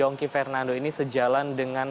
jongki fernando ini sejalan dengan